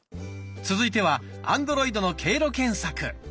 続いてはアンドロイドの経路検索。